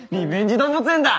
動物園だ！